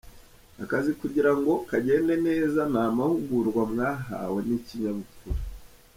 Akazi kugira ngo kagende neza ni amahugurwa mwahawe n’ikinyabupfura.